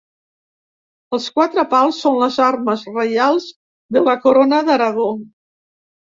Els quatre pals són les armes reials de la Corona d'Aragó.